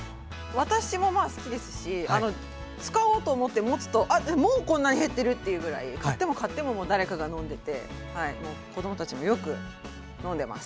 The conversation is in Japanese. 私もまあ好きですし使おうと思って持つともうこんなに減ってるっていうぐらい買っても買っても誰かが飲んでてもう子供たちもよく飲んでます。